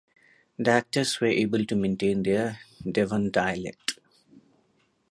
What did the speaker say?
The actors were able to maintain their Devon dialect.